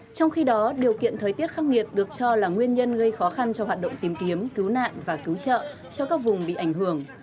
trong khi đó điều kiện thời tiết khắc nghiệt được cho là nguyên nhân gây khó khăn cho hoạt động tìm kiếm cứu nạn và cứu trợ cho các vùng bị ảnh hưởng